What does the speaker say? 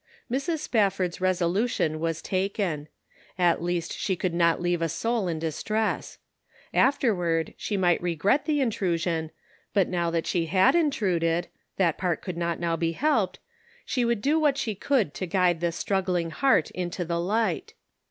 Mrs. Spafford's resolution was taken ; at least she would not leave a soul in distress ; afterward she might regret the intrusion, but she had intruded, that part could not now be helped, she would do what she could to guide this struggling heart into the light.